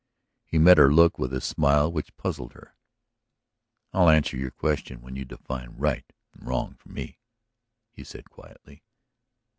He met her look with a smile which puzzled her. "I'll answer your question when you define right and wrong for me," he said quietly.